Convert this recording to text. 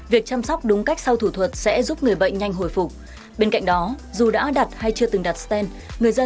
và xin cảm ơn bác sĩ